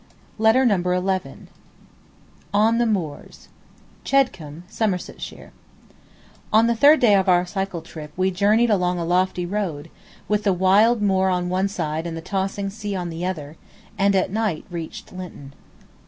Letter Number Eleven CHEDCOMBE, SOMERSETSHIRE On the third day of our cycle trip we journeyed along a lofty road, with the wild moor on one side and the tossing sea on the other, and at night reached Lynton.